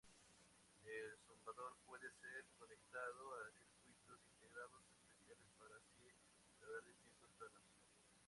El zumbador puede ser conectado a circuitos integrados especiales para así lograr distintos tonos.